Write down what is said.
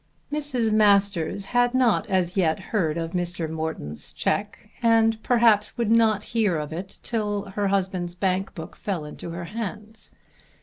Mrs. Masters had not as yet heard of Mr. Morton's cheque, and perhaps would not hear of it till her husband's bank book fell into her hands.